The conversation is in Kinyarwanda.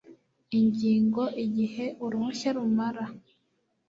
Ingingo Igihe uruhushya rumara